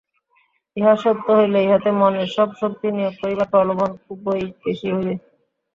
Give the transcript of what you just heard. ইহা সত্য হইলে ইহাতে মনের সব শক্তি নিয়োগ করিবার প্রলোভন খুবই বেশী হইবে।